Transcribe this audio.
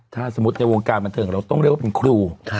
ถ้าสมมุติในวงการบันเทิงเราต้องเรียกว่าเป็นครู